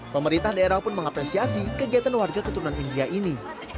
pemerintah daerah pun mengapresiasi kegiatan warga keturunan india ini